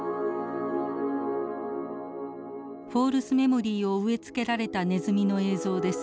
フォールスメモリーを植え付けられたネズミの映像です。